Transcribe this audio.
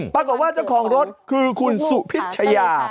ปรากฏว่าเจ้าของรถคือคุณสุพิชยา